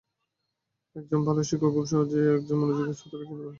এক জন ভালো শিক্ষক খুব সহজেই একজন মনোযোগী শ্রোতাকে চিনতে পারেন!